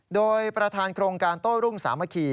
โดยประธานโครงการโต้รุ่งสามัคคี